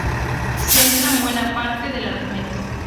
Centran buena parte del argumento.